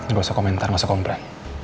gak usah komentar gak usah komplain